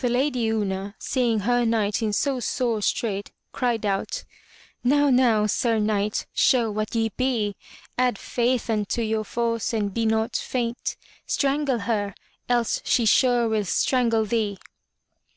The Lady Una, seeing her Knight in so sore strait, cried out; NoWy noWy Sir Knight ^ show what ye be, Add faith unto your force and be not faint; Strangle her, else she sure will strangle thee!"